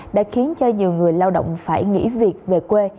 đã khiến cho nhiều người lao động phải nghỉ việc về quê